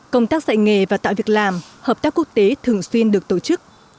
công tác dạy nghề và tạo việc làm hợp tác quốc tế thường xuyên được tổ chức